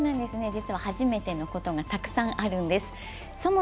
実は初めてのことがたくさんあるんです。